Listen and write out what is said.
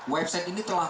website ini telah